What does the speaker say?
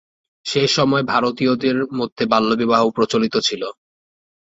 সেই সময়ে ভারতীয়দের মধ্যে বাল্যবিবাহ প্রচলিত ছিল।